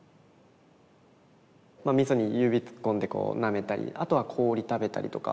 みそに指突っ込んでこうなめたりあとは氷食べたりとか。